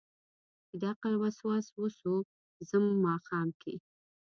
چې دعقل وسواس وسو ځم ماښام کې